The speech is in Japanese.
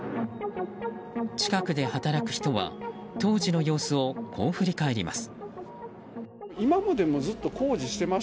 近くで働く人は当時の様子をこう振り返ります。